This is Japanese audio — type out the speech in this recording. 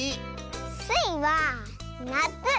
スイはなつ！